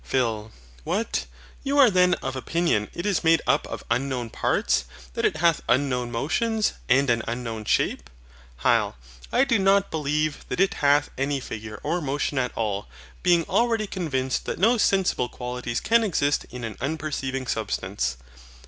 PHIL. What? You are then of opinion it is made up of unknown parts, that it hath unknown motions, and an unknown shape? HYL. I do not believe that it hath any figure or motion at all, being already convinced, that no sensible qualities can exist in an unperceiving substance.